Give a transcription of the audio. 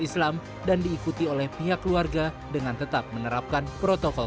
islam dan diikuti oleh pihak keluarga dengan tetap menerapkan protokol